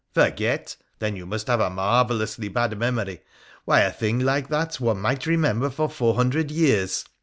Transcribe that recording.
' Forget ! Then you must have a marvellously bad memory. Why, a thing like that one might remember for four hundred years